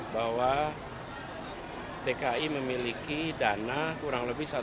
bahwa dki memiliki dana kurang lebih satu dua triliun